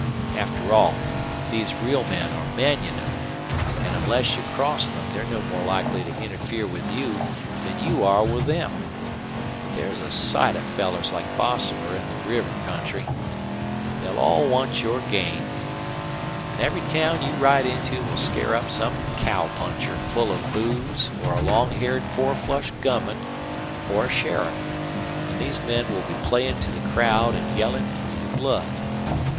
After all, these real men are men, you know, an' onless you cross them they're no more likely to interfere with you than you are with them. But there's a sight of fellers like Bosomer in the river country. They'll all want your game. An' every town you ride into will scare up some cowpuncher full of booze or a long haired four flush gunman or a sheriff an' these men will be playin' to the crowd an' yellin' for your blood.